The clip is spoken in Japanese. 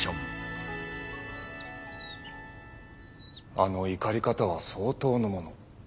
あの怒り方は相当のもの。